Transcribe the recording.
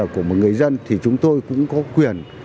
của người dân thì chúng tôi cũng có quyền